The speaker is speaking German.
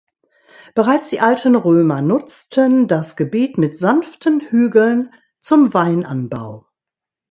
Bereits die alten Römer nutzten das Gebiet mit sanften Hügeln zum Weinanbau.